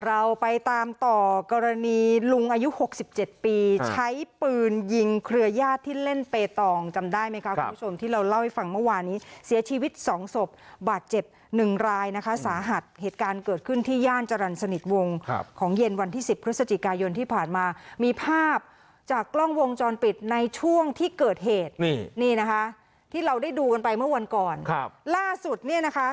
เราไปตามต่อกรณีลุงอายุหกสิบเจ็ดปีใช้ปืนยิงเครือยาศที่เล่นเปตองจำได้ไหมคะครับคุณผู้ชมที่เราเล่าให้ฟังเมื่อวานนี้เสียชีวิตสองศพบาดเจ็บหนึ่งรายนะคะสาหัสเหตุการณ์เกิดขึ้นที่ย่านจรรย์สนิทวงศ์ครับของเย็นวันที่สิบพฤษจิกายนที่ผ่านมามีภาพจากกล้องวงจรปิดในช่วงที่เกิดเหตุน